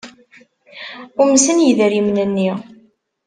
Umsen yidrimen-nni.